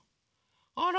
あら。